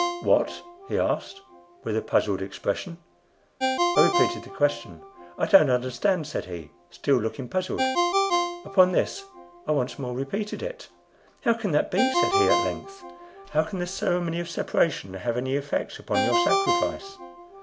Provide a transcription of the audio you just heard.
"What?" he asked, with a puzzled expression. I repeated the question. "I don't understand," said he, still looking puzzled. Upon this I once more repeated it. "How can that be?" said he at length; "how can the ceremony of separation have any effect upon your sacrifice?